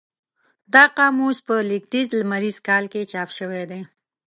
دا قاموس په لېږدیز لمریز کال کې چاپ شوی دی.